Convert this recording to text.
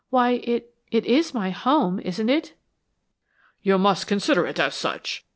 "Why it it is my home, isn't it?" "You must consider it as such.